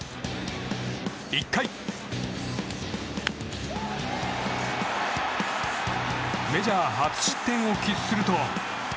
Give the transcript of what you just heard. １回メジャー初失点を喫すると。